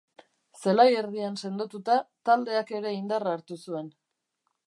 Zelai erdian sendotuta taldeak ere indarra hartu zuen.